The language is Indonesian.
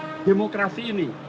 dan pesta demokrasi ini